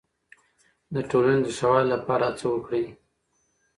د ټولنې د ښه والي لپاره هڅه وکړئ.